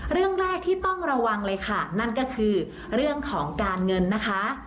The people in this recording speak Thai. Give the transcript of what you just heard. เรื่องแรกที่ต้องระวังเลยค่ะนั่นก็คือเรื่องของการเงินนะคะ